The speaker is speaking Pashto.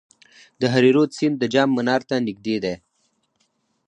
د هریرود سیند د جام منار ته نږدې دی